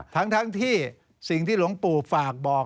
ทั้งที่สิ่งที่หลวงปู่ฝากบอก